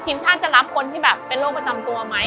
ทีมชาติจะรับคนที่แบบเป็นโรคประจำตัวไหม